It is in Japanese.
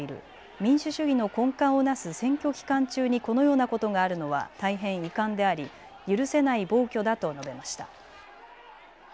民主主義の根幹をなす選挙期間中にこのようなことがあるのは大変遺憾であり許せない暴挙だと述べました。